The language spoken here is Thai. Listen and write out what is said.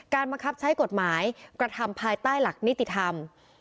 บังคับใช้กฎหมายกระทำภายใต้หลักนิติธรรม